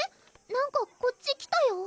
なんかこっち来たよ